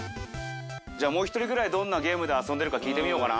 じゃあもう一人ぐらいどんなゲームで遊んでるか聞いてみようかな。